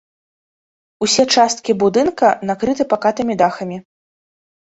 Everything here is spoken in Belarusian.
Усе часткі будынка накрыты пакатымі дахамі.